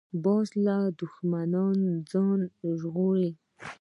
باز له دوښمنو ځان ژغوري